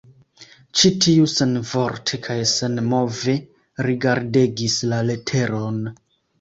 Ĉi tiu senvorte kaj senmove rigardegis la leteron.